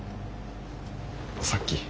さっき。